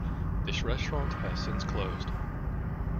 This restaurant has since closed.